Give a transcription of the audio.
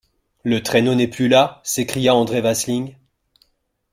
Le traîneau n’est plus là? s’écria André Vasling.